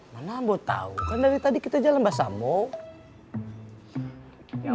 mana ambo tau kan dari tadi kita jalan sama sama